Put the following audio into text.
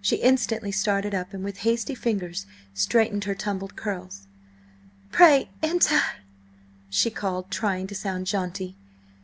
She instantly started up and with hasty fingers straightened her tumbled curls. "Pray enter!" she called, trying to sound jaunty.